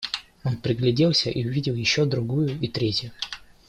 Он пригляделся и увидел еще другую и третью.